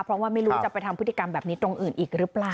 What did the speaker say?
เพราะว่าไม่รู้จะไปทำพฤติกรรมแบบนี้ตรงอื่นอีกหรือเปล่า